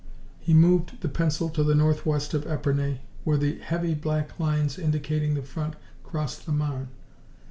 He moved the pencil to the northwest of Epernay, where the heavy black lines indicating the front crossed the Marne.